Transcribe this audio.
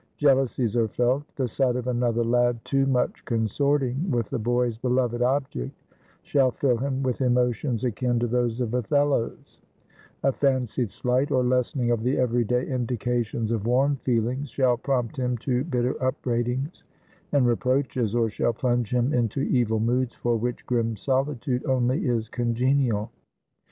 Jealousies are felt. The sight of another lad too much consorting with the boy's beloved object, shall fill him with emotions akin to those of Othello's; a fancied slight, or lessening of the every day indications of warm feelings, shall prompt him to bitter upbraidings and reproaches; or shall plunge him into evil moods, for which grim solitude only is congenial.